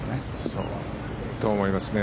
そう思いますね。